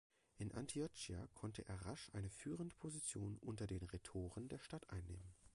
In Antiochia konnte er rasch eine führende Position unter den Rhetoren der Stadt einnehmen.